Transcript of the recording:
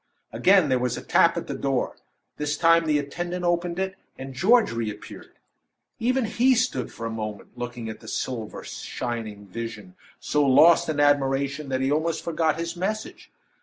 Again there was a tap at the door. This time the attendant opened it, and George reappeared. Even he stood for a moment looking at the silver shining vision, and so lost in admiration, that he almost forgot his message.